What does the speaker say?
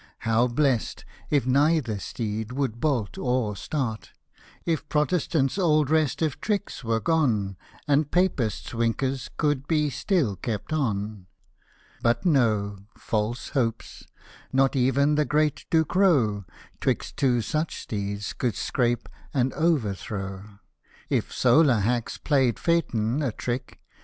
How blest, if neither steed would bolt or start ;— If Protestanfs old restive tricks were gone, And PapisVs winkers could be still kept on ! But no, false hopes — not even the great Ducrow 'Twixt two such steeds could 'scape an overthrow : \i solar hacks played Phaeton a trick.